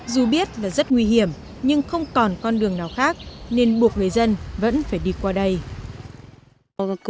dù biết là rất nguy hiểm nhưng không còn con đường nào khác